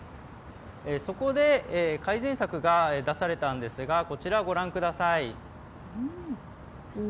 そこで、改善策が出されたんですがこちらご覧ください。